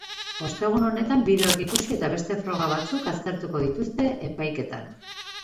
Ostegun honetan bideoak ikusi eta beste froga batzuk aztertuko dituzte epaiketan.